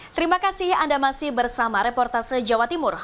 terima kasih anda masih bersama reportase jawa timur